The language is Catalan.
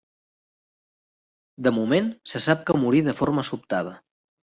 De moment se sap que morí de forma sobtada.